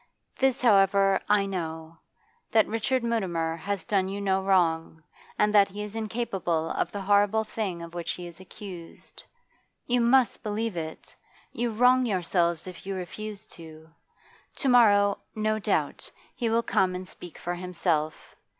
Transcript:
This, however, I know, that Richard Mutimer has done you no wrong, and that he is incapable of the horrible thing of which he is accused. You must believe it; you wrong yourselves if you refuse to. To morrow, no doubt, he will come and speak for himself.